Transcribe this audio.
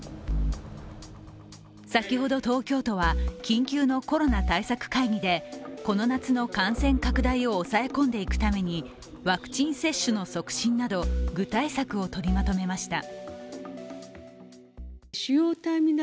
先ほど東京都は緊急のコロナ対策会議でこの夏の感染拡大を抑え込んでいくためにワクチン接種の促進など、具体策を取りまとめました。